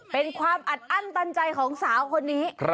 เป็นความอัดอั้นตันใจของสาวคนนี้